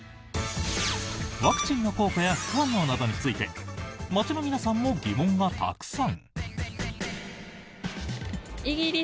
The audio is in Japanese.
ワクチンの効果や副反応などについて街の皆さんも疑問がたくさん。